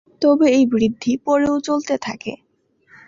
তবে এই বৃদ্ধি পরেও চলতে থাকে।